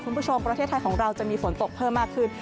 คุณผู้ชมประเทศไทยของเราจะมีฝนตกเพิ่มมากขึ้น